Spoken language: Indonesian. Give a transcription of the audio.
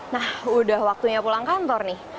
nah udah waktunya pulang kantor nih